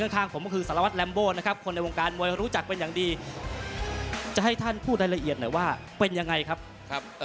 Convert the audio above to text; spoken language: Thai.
ข้างผมก็คือสารวัตรแลมโบนะครับคนในวงการมวยรู้จักเป็นอย่างดีจะให้ท่านพูดรายละเอียดหน่อยว่าเป็นยังไงครับ